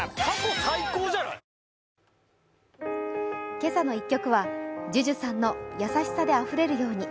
「けさの１曲」はＪＵＪＵさんの「やさしさで溢れるように」。